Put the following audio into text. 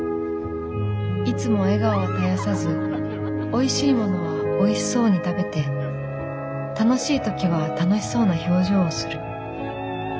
いつも笑顔は絶やさずおいしいものはおいしそうに食べて楽しい時は楽しそうな表情をする。